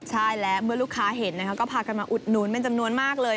ใช่และเมื่อลูกค้าเห็นนะคะก็พากันมาอุดหนุนเป็นจำนวนมากเลย